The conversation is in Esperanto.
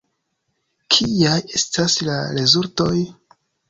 Kiaj estas la rezultoj?